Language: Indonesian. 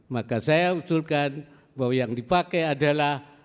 maka saya usulkan bahwa yang dipakai adalah